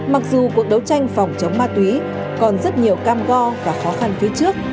mặc dù cuộc đấu tranh phòng chống ma túy còn rất nhiều cam go và khó khăn phía trước